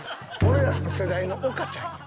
俺らの世代の岡ちゃんやん。